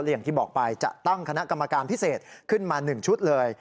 อย่างที่บอกไปจะตั้งคณะกรรมการพิเศษขึ้นมา๑ชุดเลย